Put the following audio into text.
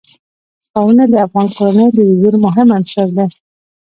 ښارونه د افغان کورنیو د دودونو مهم عنصر دی.